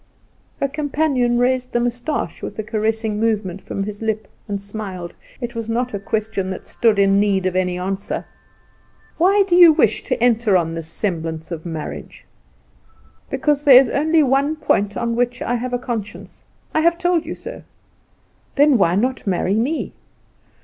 Her companion raised the moustache with a caressing movement from his lip and smiled. It was not a question that stood in need of any answer. "Why do you wish to enter on this semblance of marriage?" "Because there is only one point on which I have a conscience. I have told you so." "Then why not marry me?"